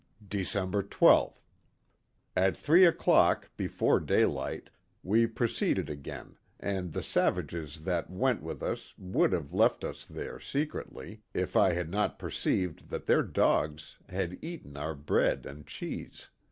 Dec. 12. — At three o'clock, before daylight, we proceeded again, and the savages that went with us would have left us there secretly, if I had not perceived that their dogs had eaten our bread and cheese.